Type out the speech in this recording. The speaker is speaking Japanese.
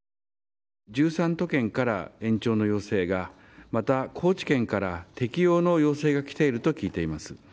１３都県から延長の要請が、また高知県から適用の要請が来ていると聞いています。